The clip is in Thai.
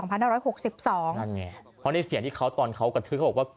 เพราะในเสียงที่เขาตอนเขากระทืบเขาบอกว่า